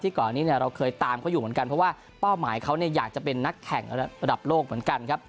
ก่อนอันนี้เราเคยตามเขาอยู่เหมือนกันเพราะว่าเป้าหมายเขาอยากจะเป็นนักแข่งระดับโลกเหมือนกันครับ